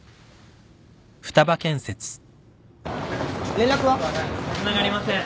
連絡は？つながりません。